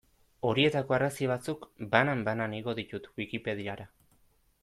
Horietako argazki batzuk, banan-banan, igo ditut Wikipediara.